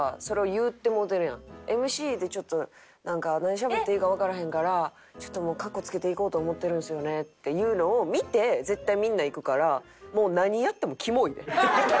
ＭＣでちょっと何しゃべっていいかわからへんからちょっとかっこつけていこうと思ってるんすよねっていうのを見て絶対みんな行くからもう。